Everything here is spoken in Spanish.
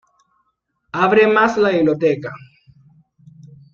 Abre más la biblioteca.